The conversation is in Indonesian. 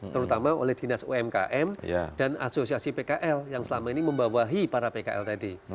terutama oleh dinas umkm dan asosiasi pkl yang selama ini membawahi para pkl tadi